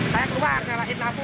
saya terubah saya lahir lapu